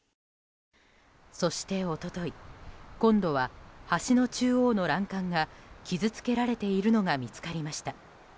そして一昨日今度は橋の中央の欄干が傷つけられているのが見つかりました。